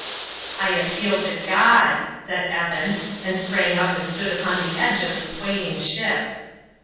"I appeal to God," said Evan, and sprang up and stood upon the edge of the swaying ship.